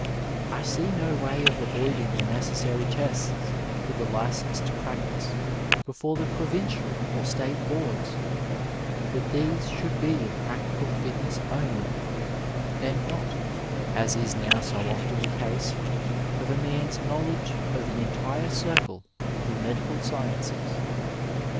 I see no way of avoiding the neces sary tests for the license to practise before the provincial or state boards, but these shoidd be of practical fitness only, and not, as is now so often the case, of a man's knowledge of the entire circle of the medical sciences.